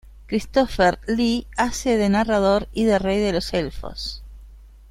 Christopher Lee hace de narrador y de rey de los elfos.